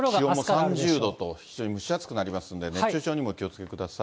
気温も３０度と、非常に蒸し暑くなりますんで、熱中症にもお気をつけください。